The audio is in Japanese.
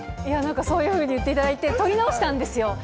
いや、なんかそういうふうに言っていただいて、撮り直したんですよ。